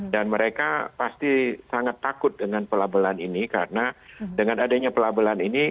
dan mereka pasti sangat takut dengan pelabelan ini karena dengan adanya pelabelan ini